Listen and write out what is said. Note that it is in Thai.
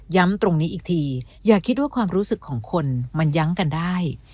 ตรงนี้อีกทีอย่าคิดว่าความรู้สึกของคนมันยั้งกันได้